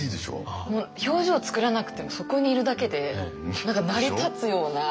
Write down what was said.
もう表情作らなくてもそこにいるだけで何か成り立つような。